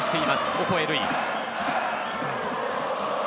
オコエ瑠偉。